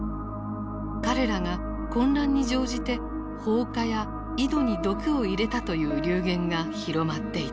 彼らが混乱に乗じて放火や井戸に毒を入れたという流言が広まっていた。